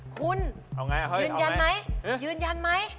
คุณยืนยันไหม